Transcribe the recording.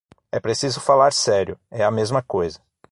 É preciso falar sério: é a mesma coisa.